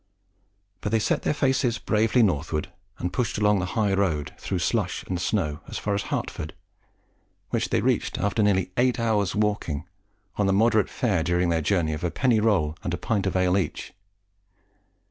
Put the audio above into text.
But they set their faces bravely northward, and pushed along the high road, through slush and snow, as far as Hertford, which they reached after nearly eight hours' walking, on the moderate fare during their journey of a penny roll and a pint of ale each.